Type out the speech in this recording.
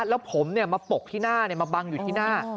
แล้วผมมาปกที่หน้ามาบังอยู่ที่หน้า